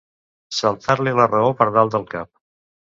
Saltar-li la raó per dalt del cap.